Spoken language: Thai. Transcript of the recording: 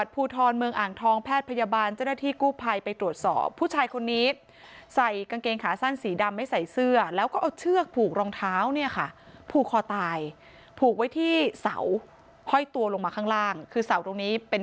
ผูกกาตายถูกไว้ที่เสาคล้อยตัวลงมาข้างล่างคือเสาตรงนี้เป็น